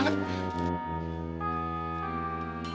ah gawat betulnya